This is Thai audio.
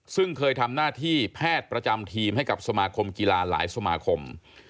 ซึ่งเคยทำหน้าที่แพทย์ประจำทีมให้กับสมาคมกีฬาหลายสมาคม